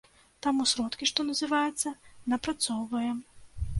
Таму сродкі, што называецца, напрацоўваем.